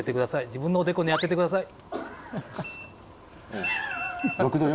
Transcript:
自分のおでこに当ててください